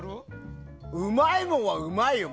うまいもんはうまいよ。